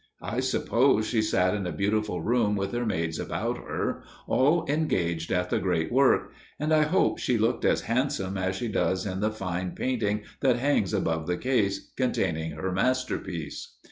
I suppose she sat in a beautiful room with her maids about her, all engaged at the great work, and I hope she looked as handsome as she looks in the fine painting that hangs above the case containing her masterpiece.